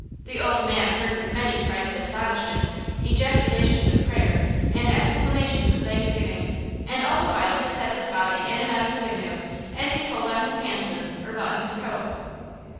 The old man heard with many cries of astonishment, ejaculations of prayer, and exclamations of thanksgiving. And all the while his head was bobbing in and out of the window, as he pulled on his pantaloons or buttoned his coat.